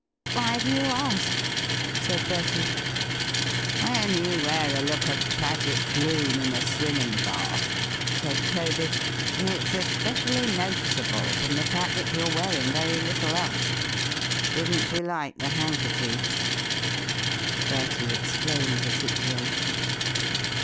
"Why do you ask?" said Bertie. "When you wear a look of tragic gloom in a swimming bath," said Clovis, "it's especially noticeable from the fact that you're wearing very little else. Didn't she like the handkerchiefs?" Bertie explained the situation.